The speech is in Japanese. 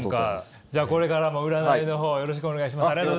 じゃあこれからも占いの方よろしくお願いします。